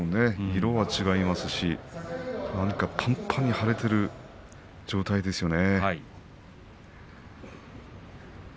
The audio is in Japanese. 色は違いますし、パンパンに腫れている状態ですよね。